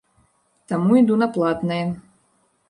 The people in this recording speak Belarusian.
Таму іду на платнае.